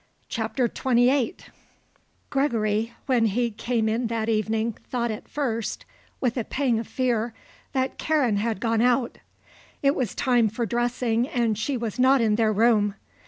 CHAPTER XXVIII Gregory when he came in that evening thought at first, with a pang of fear, that Karen had gone out. It was time for dressing and she was not in their room.